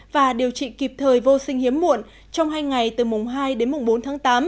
và điều trị kịp thời vô sinh hiếm muộn trong hai ngày từ mùng hai đến mùng bốn tháng tám